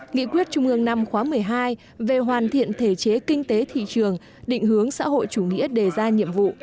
nghị quyết trung ương năm khóa một mươi hai về hoàn thiện thể chế kinh tế thị trường định hướng xã hội chủ nghĩa đề ra nhiệm vụ